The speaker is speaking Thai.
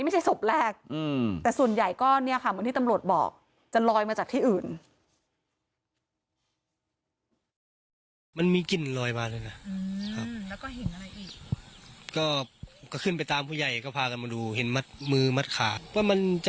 ไม่ใช่ศพแรกแต่ส่วนใหญ่ก็เนี่ยค่ะเหมือนที่ตำรวจบอกจะลอยมาจากที่อื่น